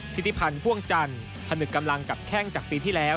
ธิติพันธ์พ่วงจันทร์ผนึกกำลังกับแข้งจากปีที่แล้ว